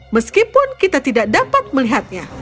meskipun kita tidak dapat melihatnya